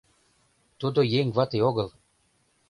Тудо еҥ вате огыл.